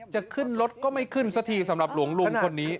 จะขึ้นรถก็ไม่ขึ้นสักทีสำหรับหลวงลุงคนนี้